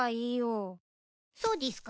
そうでぃすか。